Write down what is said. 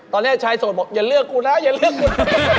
ตอนนี้ชายส่วนบอกอย่าเลือกกูนะอย่าเลือกกูนะ